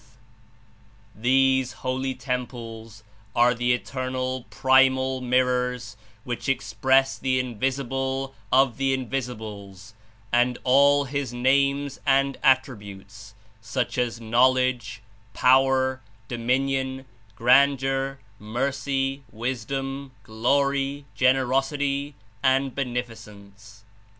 "These Holy Temples are the Eternal Primal Mirrors which express the Invisible of the Invisibles and all His Names and Attributes, such as Knowledge, Power, Dominion, Grandeur, Mercy, Wisdom, Glory, Generosity and Beneficence."